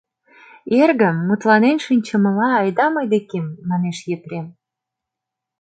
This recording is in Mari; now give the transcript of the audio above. — Эргым, мутланен шинчымыла айда мый декем, — манеш Епрем.